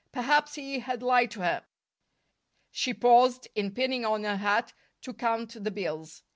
Perhaps he had lied to her. She paused, in pinning on her hat, to count the bills.